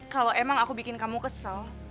kalau emang aku bikin kamu kesel